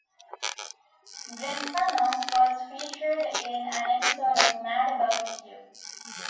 Brentano's was featured in an episode of "Mad About You".